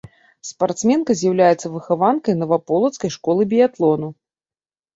Спартсменка з'яўляецца выхаванкай наваполацкай школы біятлону.